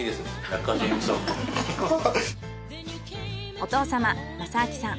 お父様正明さん。